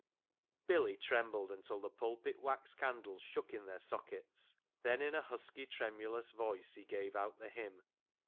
Billy trembled until the pulpit wax candles shook in their sockets. Then in a husky, tremulous voice he gave out the hymn.